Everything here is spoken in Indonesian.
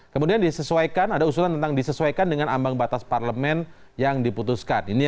kemudian disesuaikan ada usulan tentang disesuaikan dengan ambang batas parlemen yang diputuskan